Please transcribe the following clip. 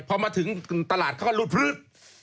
พอมาถึงตลาดเขาก็รูดพลึก